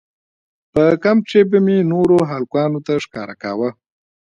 په کمپ کښې به مې نورو هلکانو ته ښکاره کاوه.